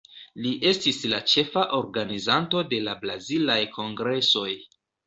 Li estis la ĉefa organizanto de la Brazilaj Kongresoj.